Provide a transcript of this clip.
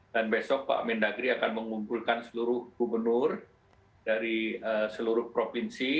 dan besok pak mendagri akan mengumpulkan seluruh gubernur dari seluruh provinsi